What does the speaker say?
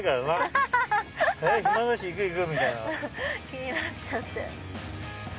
ハハ気になっちゃって。